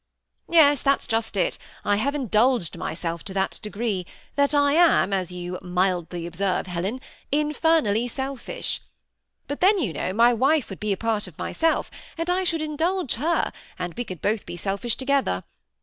Yes ; that 's just it. I have indulged myself to that degree, that I am, as you mildly observe, Helen, infer nally selfish. But then, you know, my wife would be a part of myself; and I should indulge her, and we could both be selfish together.